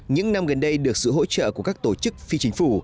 những năm gần đây được sự hỗ trợ của các tổ chức phi chính phủ